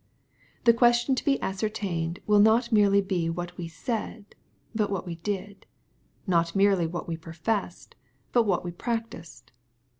The question to be ascertained will not merely be what we said, but what we did, — ^not merely what we professed but what we practised.